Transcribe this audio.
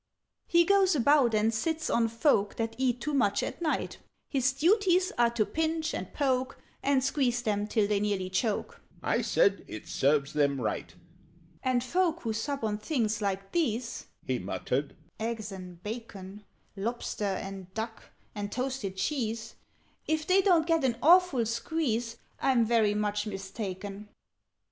"He goes about and sits on folk That eat too much at night: His duties are to pinch, and poke, And squeeze them till they nearly choke." (I said "It serves them right!") "And folk that sup on things like these " He muttered, "eggs and bacon Lobster and duck and toasted cheese If they don't get an awful squeeze, I'm very much mistaken!